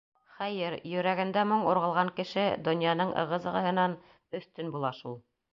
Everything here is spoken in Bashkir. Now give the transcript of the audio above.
Хәйер, йөрәгендә моң урғылған кеше донъяның ығы-зығыһынан өҫтөн була шул!